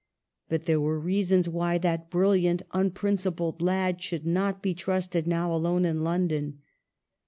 But there were reasons why that brilliant, unprincipled lad should not be trusted now, alone in London.